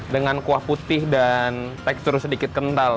dengan kuah putih dan tekstur sedikit kental